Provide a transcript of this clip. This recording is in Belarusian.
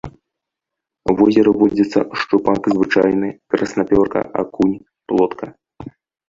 У возеры водзяцца шчупак звычайны, краснапёрка, акунь, плотка.